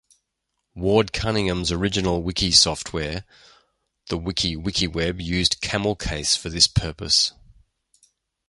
Ward Cunningham's original wiki software, the WikiWikiWeb used CamelCase for this purpose.